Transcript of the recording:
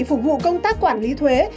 phục vụ công tác quản lý thuế